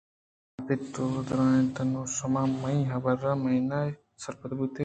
کہ پدا پِت ءَ درّائینت نوں شُما منی حبر ءِ معنا ءَ سرپد بُوتے